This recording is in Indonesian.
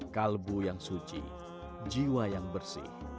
kalbu yang suci jiwa yang bersih